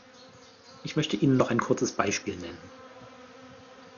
Ich möchte Ihnen noch ein kurzes Beispiel nennen.